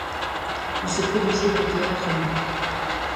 Ils se produisaient au Théâtre Le Bout.